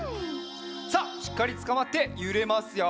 さあしっかりつかまってゆれますよ。